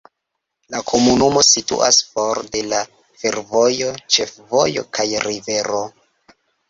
La komunumo situas for de la fervojo, ĉefvojo kaj rivero.